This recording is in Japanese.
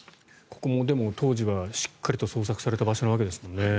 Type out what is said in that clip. ここも当時はしっかりと捜索された場所ですよね。